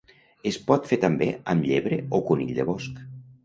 Es pot fer també amb llebre o conill de bosc